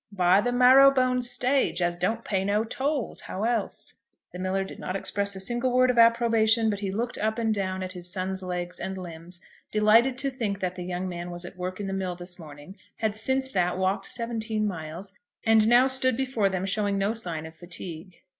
"By the marrow bone stage, as don't pay no tolls; how else?" The miller did not express a single word of approbation, but he looked up and down at his son's legs and limbs, delighted to think that the young man was at work in the mill this morning, had since that walked seventeen miles, and now stood before them showing no sign of fatigue.